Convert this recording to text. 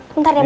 bentar ya mas